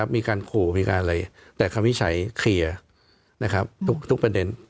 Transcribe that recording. มีการขู่มีการอะไรแต่คำวิจัยเคลียร์ทุกประเด็น